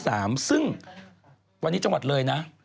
ซึ่งวันนี้จังหวัดเลยนะ